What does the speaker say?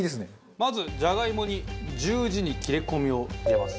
まずじゃがいもに十字に切れ込みを入れます。